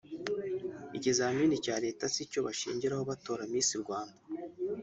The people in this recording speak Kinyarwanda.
Ikizamini cya Leta se nicyo bashingiraho batora Miss Rwanda